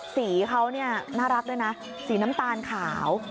สีเขาเนี่ยน่ารักด้วยนะสีน้ำตาลขาว